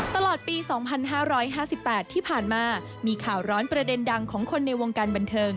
ตลอดปีสองพันห้าร้อยห้าสิบแปดที่ผ่านมามีข่าวร้อนประเด็นดังของคนในวงการบันเทิง